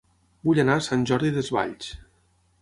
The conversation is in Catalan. Vull anar a Sant Jordi Desvalls